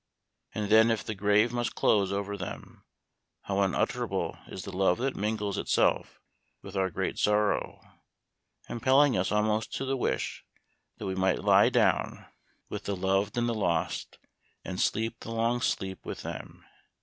And then if the grave must close over them, how unutterable is the love that mingles itself with our great sorrow, impelling us almost to the wish that we might lie down with the 246 Memoir of Washington Irving. loved and lost, and sleep the long sleep with them